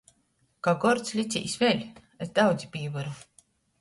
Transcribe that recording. Ka gords, licīs vēļ, es daudzi pīvyru.